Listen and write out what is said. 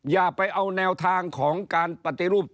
อย่าไปเอาแนวทางของการปฏิรูป